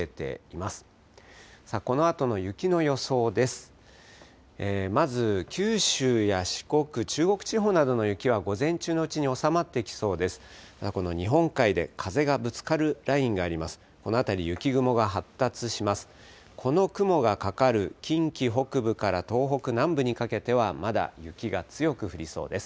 この雲がかかる近畿北部から東北南部にかけては、まだ雪が強く降りそうです。